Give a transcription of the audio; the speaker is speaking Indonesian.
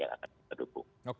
yang akan kita dukung